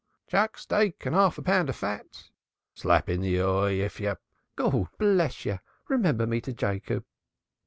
"Chuck steak and half a pound of fat." "A slap in the eye, if you " "Gord bless you. Remember me to Jacob."